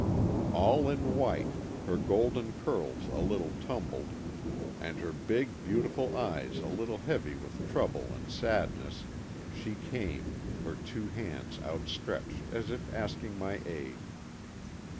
All in white, her golden curls a little tumbled, and her big, beautiful eyes a little heavy with trouble and sadness, she came, her two hands outstretched as if asking my aid.